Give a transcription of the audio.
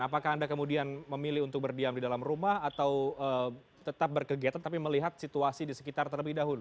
apakah anda kemudian memilih untuk berdiam di dalam rumah atau tetap berkegiatan tapi melihat situasi di sekitar terlebih dahulu